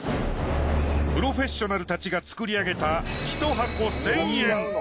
プロフェッショナルたちが作り上げたひと箱１，０００円